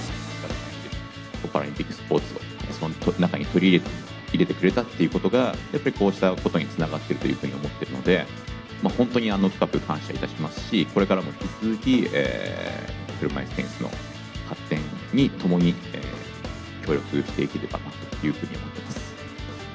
パラリンピックスポーツを中に取り入れてくれたっていうことが、やっぱりこうしたことにつながっているというふうに思っているので、本当に深く感謝いたしますし、これからも引き続き、車いすテニスの発展に、共に協力していければというふうに思っています。